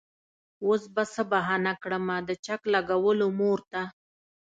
وس به څۀ بهانه کړمه د چک لګولو مور ته